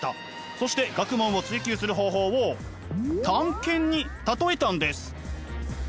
そして学問を追究する方法を探検に例えたんです。